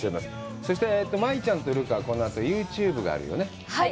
そして、舞ちゃんと留伽は、このあとユーチューブがあるよね。